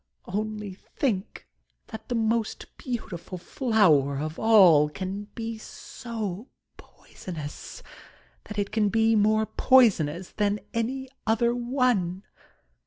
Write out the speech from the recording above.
Only thinks that the most beautiful flower of all can be so poisonous — ^that it can be more poisonous than any other one